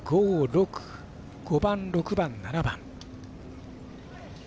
５番、６番、７番。